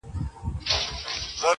په ښراوو، په بد نوم او په ښکنځلو.!